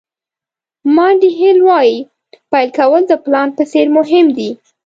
مانډي هیل وایي پیل کول د پلان په څېر مهم دي.